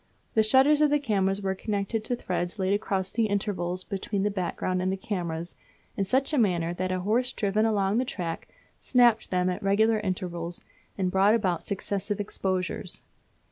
The shutters of the cameras were connected to threads laid across the interval between the background and the cameras in such a manner that a horse driven along the track snapped them at regular intervals, and brought about successive exposures.